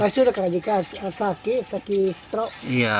kalau tidak ada harus panggilan strok